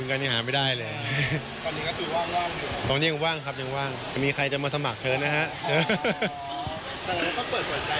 สำหรับให้เขาเกิดหัวใจไม่ได้ปิดอยู่แล้ว